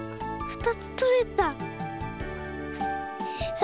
２つとれた！